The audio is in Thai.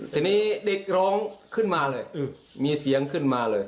ทีนี้เด็กร้องขึ้นมาเลยมีเสียงขึ้นมาเลย